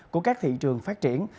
của các thị trường phát triển